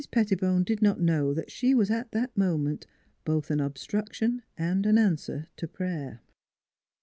Pettibone did not know that she was at that moment both an obstruction and an answer to prayer.